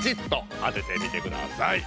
あててみてください。